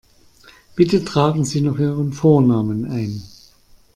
Bitte tragen Sie noch Ihren Vornamen ein.